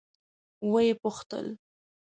ويې پوښتل.